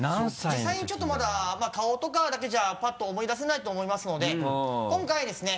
実際にちょっとまだ顔とかだけじゃパッと思い出せないと思いますので今回はですね